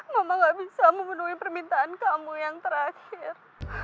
ngomong gak bisa memenuhi permintaan kamu yang terakhir